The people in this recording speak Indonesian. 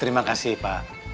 terima kasih pak